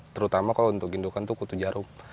terutama kalau untuk indokan itu kutu jarum